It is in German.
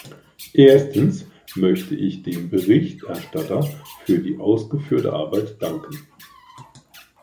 Erstens möchte ich dem Berichterstatter für die ausgeführte Arbeit danken.